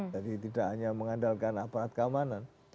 jadi tidak hanya mengandalkan aparat keamanan